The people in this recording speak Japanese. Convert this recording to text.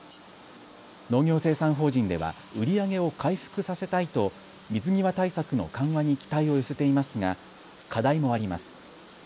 農業生産法人では売り上げを回復させたいと水際対策の緩和に期待を寄せていますが課題もあります。